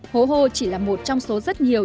hồ hô chỉ là một trong số rất nhiều